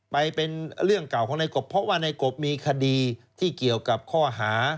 เป็นเรื่องเก่าของในกบเพราะว่าในกบมีคดีที่เกี่ยวกับข้อหา